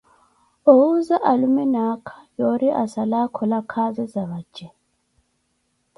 Owuuza alume ni aakha yoori asala akhola khaazi za vace.